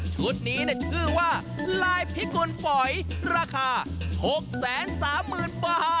ชุดนี้ชื่อว่าลายพิกุลฝอยราคา๖๓๐๐๐บาท